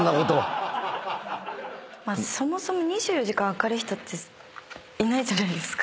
そもそも２４時間明るい人っていないじゃないですか。